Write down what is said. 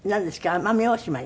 奄美大島に？